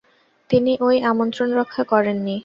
তিনি ঐ আমন্ত্রণরক্ষা করেননি।